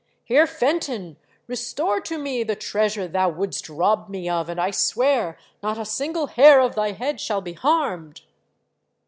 " Heer Fenton, restore to me the treasure thou wouldst rob me of and I swear not a single hair of thy head shall be harmed."